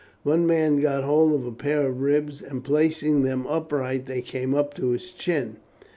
One man got hold of a pair of ribs, and placing them upright they came up to his chin.